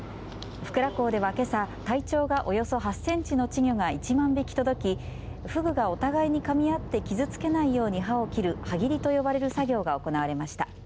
福良港では、けさ体長がおよそ８センチの稚魚が１万匹届きフグを互いにかみ合って傷つけないように歯を切る歯切りと呼ばれる作業が行われました。